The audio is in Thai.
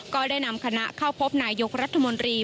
ก็ได้นำคณะเข้าพบนายยกรัฐมนตรี